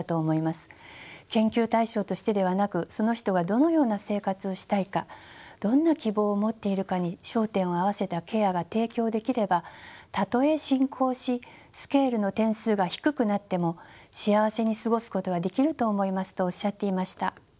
研究対象としてではなくその人がどのような生活をしたいかどんな希望を持っているかに焦点を合わせたケアが提供できればたとえ進行しスケールの点数が低くなっても幸せに過ごすことはできると思いますとおっしゃっていました。